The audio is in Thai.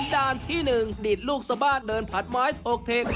ด้านที่๑ดีดลูกสะบาดเดินผัดไม้ถกเทค